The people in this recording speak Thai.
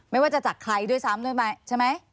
ไม่ว่าจะจักรใครด้วยซ้ำใช่ไหม